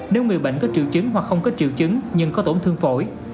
nếu người bệnh có triệu chứng hoặc không có triệu chứng nhưng có tổn thương phổi